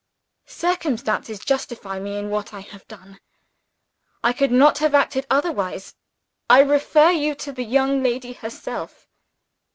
Circumstances justify me in what I have done; I could not have acted otherwise. I refer you to the young lady herself."